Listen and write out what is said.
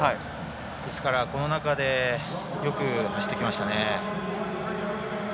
ですから、この中でよく走ってきましたね。